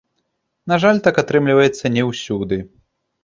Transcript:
На жаль, так атрымліваецца не ўсюды.